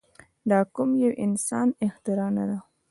دا د کوم يوه انسان اختراع نه ده.